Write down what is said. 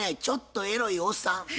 「ちょっとエロいおっさん」。